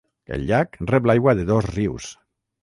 El llac rep l'aigua de dos rius.